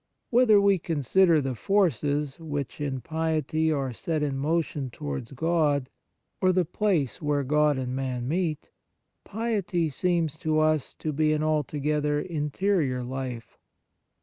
Whether we consider the forces which, in piety, are set in motion towards God, or the place where God and man meet, piety seems 4 8 The Nature of Piety to us to be an altogether interior life.